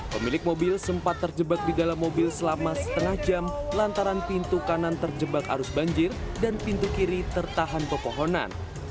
pemilik mobil sempat terjebak di dalam mobil selama setengah jam lantaran pintu kanan terjebak arus banjir dan pintu kiri tertahan pepohonan